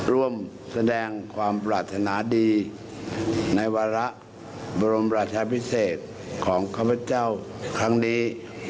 ร่วมแสดงความปรารถนาดีในวาระบรมราชาพิเศษของข้าพเจ้าครั้งนี้